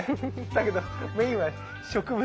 だけどメインは植物。